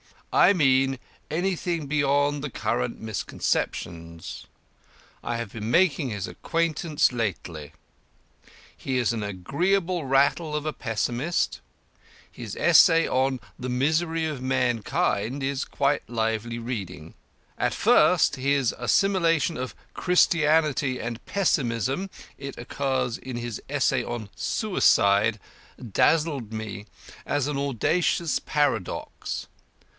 I mean anything beyond the current misconceptions? I have been making his acquaintance lately. He is an agreeable rattle of a pessimist; his essay on 'The Misery of Mankind' is quite lively reading. At first his assimilation of Christianity and Pessimism (it occurs in his essay on 'Suicide') dazzled me as an audacious paradox.